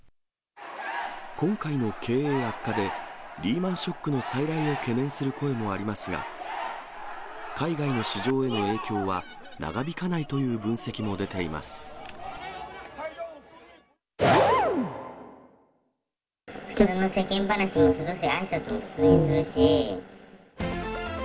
今回の経営悪化で、リーマンショックの再来を懸念する声もありますが、海外の市場への影響は長引かないという分析も出ています。